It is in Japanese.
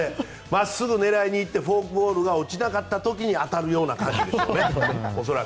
真っすぐ狙いにいってフォークボールが落ちなかった時に当たるような感じでしょうね。